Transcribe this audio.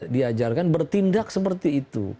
diajarkan bertindak seperti itu